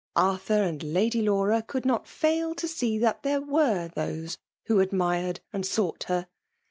Arthur and Lady Laura could not fail to see that there tvere those who admired and sought her.